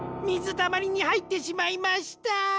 たまりにはいってしまいました！